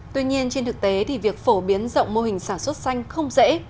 tuy nhiên trên thực tế thì việc phổ biến rộng mô hình sản xuất xanh không dễ